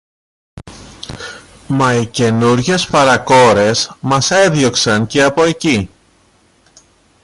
Μα οι καινούριες παρακόρες μας έδιωξαν και από κει